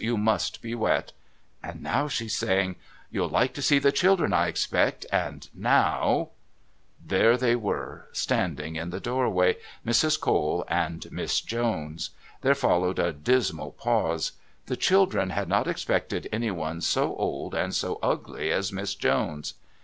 You must be wet,' and now she's saying: 'You'll like to see the children, I expect,' and now " There they were, standing in the doorway, Mrs. Cole and Miss Jones. There followed a dismal pause. The children had not expected anyone so old and so ugly as Miss Jones.